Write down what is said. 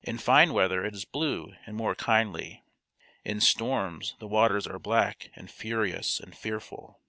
In fine weather it is blue and more kindly; in storms the waters are black and furious and fearful.